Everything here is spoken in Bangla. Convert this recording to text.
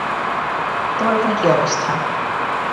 তোমার ওখানে কী অবস্থা?